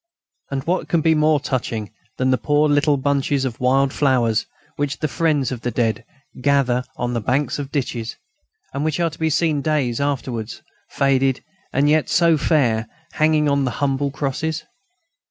And what can be more touching than the poor little bunches of wild flowers which the friends of the dead gather on the banks of ditches, and which are to be seen days afterwards, faded and yet so fair, hanging on the humble crosses?